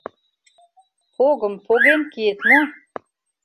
Погым поген киет мо?